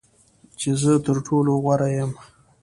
چې زه تر ټولو غوره یم .